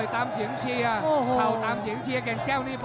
ตามเสียงเชียร์แก่นแก้วนี้